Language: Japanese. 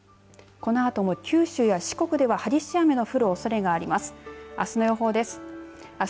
このあとも九州や四国では激しい雨が降るおそれがあります。